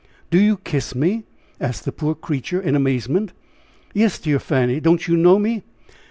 "Do you kiss me?" asked the poor creature, in amazement. "Yes, dear Fanny! Don't you know me?"